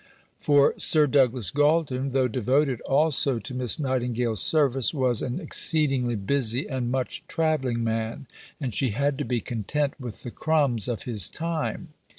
For Sir Douglas Galton, though devoted also to Miss Nightingale's service, was an exceedingly busy and much travelling man, and she had to be content with the crumbs of his time.